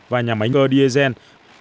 và nhà máy cơ diezen